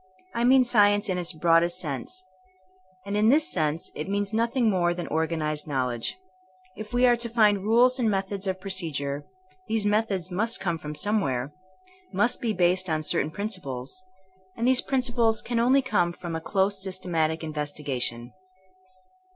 I mean science in its broadest sense; and in this sense it means nothing more than organ ized knowledge. If we are to find rules and methods of procedure, these methods must come from somewhere — ^must be based on cer THINKmO A8 A SCIENCE 7 tain principles — ^and these principles can come only from close, systematic investigation.